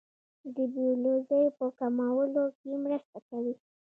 د بیوزلۍ په کمولو کې مرسته کوي.